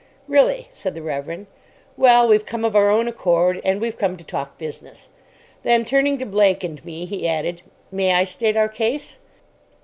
"Really," said the Reverend. "Well, we've come of our own accord, and we've come to talk business." Then turning to Blake and me he added, "May I state our case?"